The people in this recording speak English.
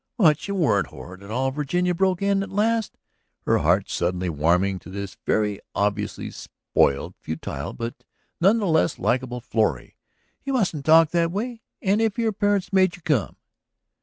"But you weren't horrid at all," Virginia broke in at last, her heart suddenly warming to this very obviously spoiled, futile, but none the less likable, Florrie. "You mustn't talk that way. And if your parents made you come.